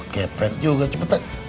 kepret juga cepetan